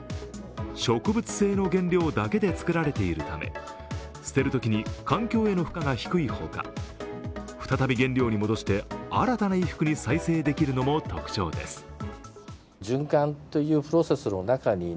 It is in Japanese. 植物性の原料だけで作られているため捨てるときに環境への負荷が低いほか、再び原料に戻して、新たな衣服に再生できるのも特徴です。